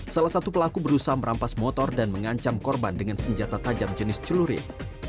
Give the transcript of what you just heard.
salah satu pelaku berusaha merampas motor dan mengancam korban dengan senjata tajam jenis celurit